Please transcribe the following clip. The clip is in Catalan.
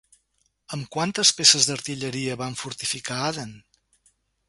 Amb quantes peces d'artilleria van fortificar Aden?